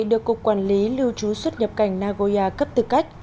được cục quản lý lưu trú xuất nhập cảnh nagoya cấp tư cách